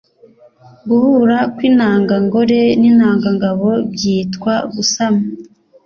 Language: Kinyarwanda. guhura kw'intangangore n'intangangabo byitwa gusama